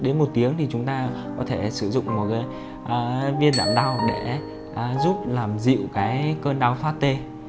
đến một tiếng thì chúng ta có thể sử dụng một cái viên giảm đau để giúp làm dịu cái cơn đau thoát t